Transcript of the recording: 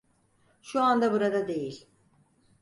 Şu anda burada değil.